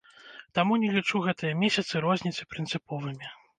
Таму не лічу гэтыя месяцы розніцы прынцыповымі.